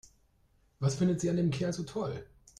Was findet sie an dem Kerl so toll?